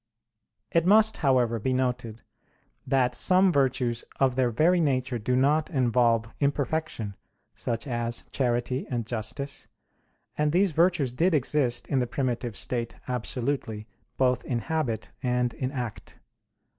It must, however, be noted that some virtues of their very nature do not involve imperfection, such as charity and justice; and these virtues did exist in the primitive state absolutely, both in habit and in act.